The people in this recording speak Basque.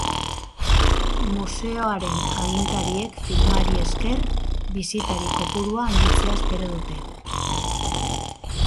Museoaren agintariek filmari esker bisitari kopurua handitzea espero dute.